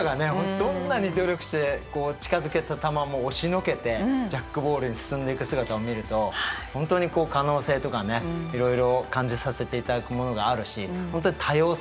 どんなに努力して近づけた球も押しのけてジャックボールに進んでいく姿を見ると本当に可能性とかねいろいろ感じさせていただくものがあるし本当に多様性